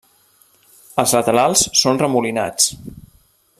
Els laterals són remolinats.